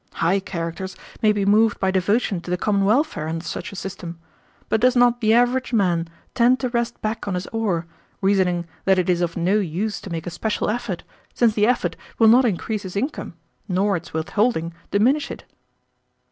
High characters may be moved by devotion to the common welfare under such a system, but does not the average man tend to rest back on his oar, reasoning that it is of no use to make a special effort, since the effort will not increase his income, nor its withholding diminish it?"